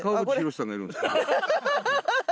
ハハハハ！